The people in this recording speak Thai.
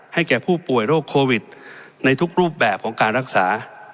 แก่ผู้ป่วยโรคโควิดในทุกรูปแบบของการรักษา